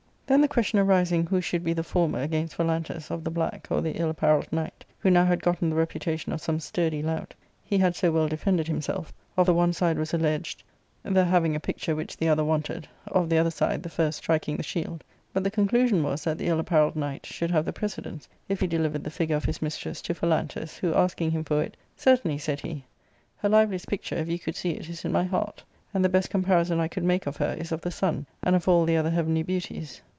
Then the question arising who should be the former [first] against Phalantus of the black or the ill apparelled knight, who now had gotten the reputation of some sturdy lout, he had so well defende4 himself, of the one side was alleged the having a picture which the other wanted, of the other side the first striking the shield ; but the conclusion was that the ill apparelled knight should have the precedence if j he delivered the figure of his mistress to Phalantus, who, ' asking him for it, " Certainly," said he ;" her liveliest pic ture, if you could see it^s in my heart, and the best compari son I could make of her is of the sun and of all the other heavenly beauties.